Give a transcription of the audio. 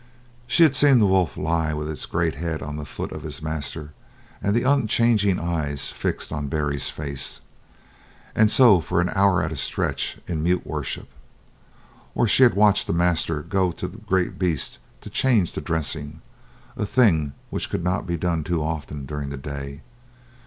She had seen the wolf lie with his great head on the foot of his master and the unchanging eyes fixed on Barry's face and so for an hour at a stretch in mute worship. Or she had watched the master go to the great beast to change the dressing a thing which could not be done too often during the day.